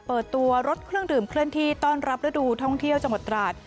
เปิดตัวรถเครื่องดื่มเคลื่อนที่ต้อนรับฤดูท่องเที่ยวจังหวัดตราด